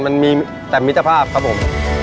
มันมีแต่มิตรภาพครับผม